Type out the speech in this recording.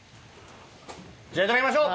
じゃあいただきましょう。